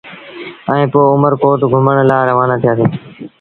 ائيٚݩ پو اُمر ڪوٽ گھمڻ لآ روآنآ ٿيٚآسيٚݩ۔